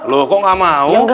loh kok nggak mau